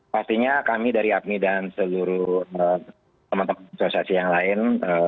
pastinya kami dari apni dan seluruh teman teman asosiasi yang lain